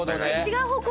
違う方向